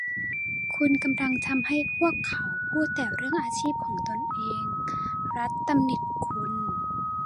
คุณกำลังทำให้พวกเขาพูดแต่เรื่องอาชีพของตนเอง รัธตำหนิคุณ